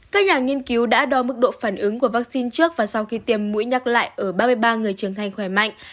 các nhà nghiên cứu đã đo mức độ phản ứng của vaccine trước và sau khi tiêm mũi nhắc lại ở ba mươi ba người trưởng thành khỏe mạnh